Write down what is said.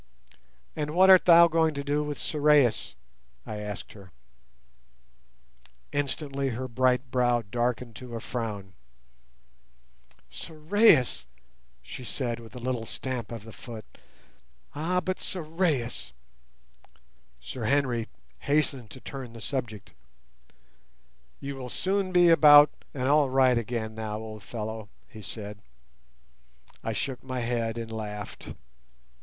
"And what art thou going to do with Sorais?" I asked her. Instantly her bright brow darkened to a frown. "Sorais," she said, with a little stamp of the foot; "ah, but Sorais!" Sir Henry hastened to turn the subject. "You will soon be about and all right again now, old fellow," he said. I shook my head and laughed.